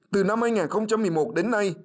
từ năm hai nghìn một mươi một đến nay